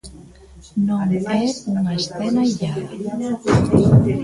Non é unha escena illada.